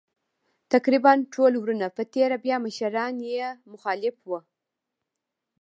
تقریباً ټول وروڼه په تېره بیا مشران یې مخالف وو.